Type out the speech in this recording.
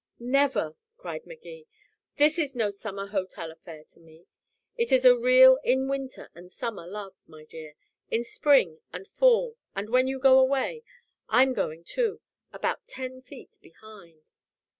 "Never," cried Magee. "This is no summer hotel affair to me. It's a real in winter and summer love, my dear in spring and fall and when you go away, I'm going too, about ten feet behind."